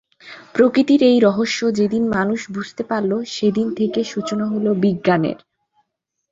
প্রকৃতির এই রহস্য যে দিন মানুষ বুঝতে পারল সেদিন থেকে সূচনা হলো বিজ্ঞানের।